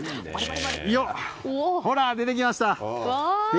ほら、出てきました。